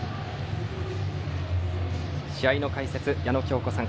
試合の解説、矢野喬子さん